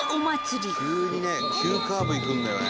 急にね急カーブいくんだよね。